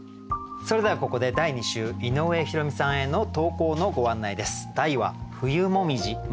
それではここで第２週井上弘美さんへの投稿のご案内です。